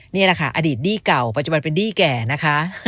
นี่แหละค่ะอดีตดี้เก่าปัจจุบันเป็นดี้แก่นะคะ